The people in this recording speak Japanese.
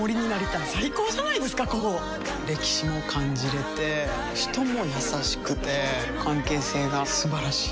歴史も感じれて人も優しくて関係性が素晴らしい。